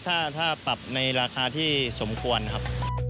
ถ้าปรับในราคาที่สมควรครับ